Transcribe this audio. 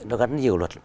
nó gắn nhiều luật